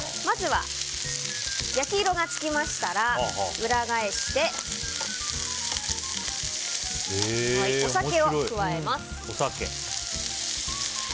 まずは焼き色がつきましたら裏返してお酒を加えます。